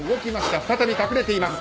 再び隠れています。